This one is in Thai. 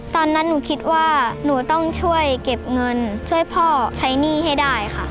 ตอนนั้นหนูคิดว่าหนูต้องช่วยเก็บเงินช่วยพ่อใช้หนี้ให้ได้ค่ะ